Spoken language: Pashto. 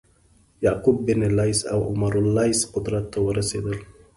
یعقوب بن لیث او عمرو لیث قدرت ته ورسېدل.